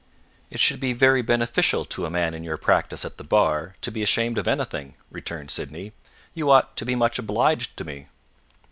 "It should be very beneficial to a man in your practice at the bar, to be ashamed of anything," returned Sydney; "you ought to be much obliged to me."